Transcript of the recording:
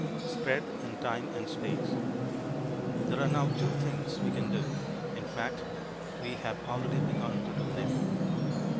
SPREAD IN TIME AND SPACE There are now two things we can do; in fact, we have already begun to do them.